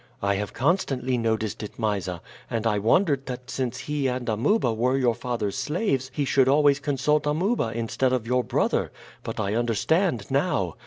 "I have constantly noticed it, Mysa, and I wondered that since he and Amuba were your father's slaves he should always consult Amuba instead of your brother; but I understand now.